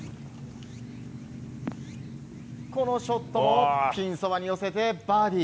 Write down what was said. このショットもピンそばに寄せてバーディー。